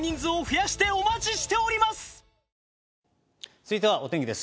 続いては、お天気です。